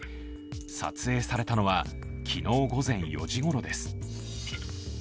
撮影されたのは昨日午前４時ごろです。